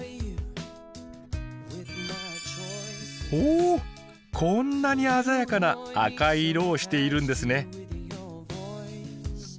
おこんなに鮮やかな赤い色をしているんですね。